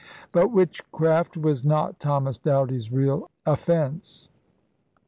' But witchcraft was not Thomas Doughty's real offence.